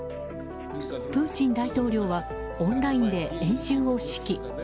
プーチン大統領はオンラインで演習を指揮。